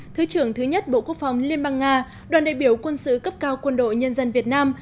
thứ trưởng thứ nhất bộ quốc phòng liên bang nga đoàn đại biểu quân sự cấp cao quân đội nhân dân việt nam